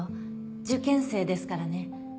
受験生ですからね